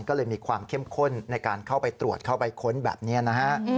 ก็เลยมีความเข้มข้นในการเข้าไปตรวจเข้าไปค้นแบบนี้นะฮะ